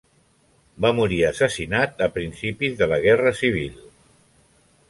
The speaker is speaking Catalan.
Va morir assassinat a principis de la Guerra Civil.